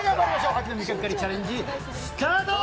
秋の味覚狩りチャレンジ、スタート。